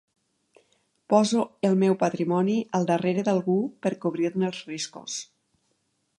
Poso el meu patrimoni al darrere d'algú per cobrir-ne els riscos.